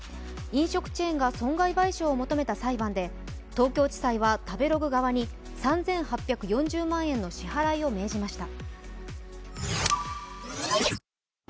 飲食チェーンが損害賠償を求めた裁判で東京地裁は食べログ側に３８４０万円の支払いを命じました。